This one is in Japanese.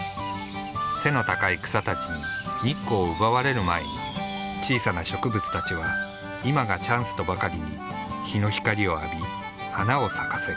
背の高い草たちに日光を奪われる前に小さな植物たちは今がチャンスとばかりに日の光を浴び花を咲かせる。